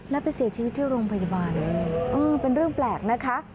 แล้วไปเสียชีวิตที่โรงพยาบาลเป็นเรื่องแปลกนะคะ